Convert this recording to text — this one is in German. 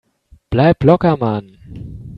Bleib locker, Mann